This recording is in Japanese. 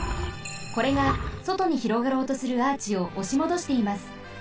これがそとに広がろうとするアーチをおしもどしています。